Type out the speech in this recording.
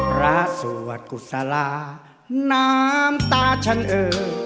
พระสวัสดิ์กุศลาน้ำตาฉันเอ่อ